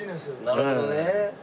なるほどね。